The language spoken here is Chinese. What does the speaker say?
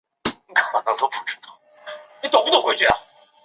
中共七大正式代表。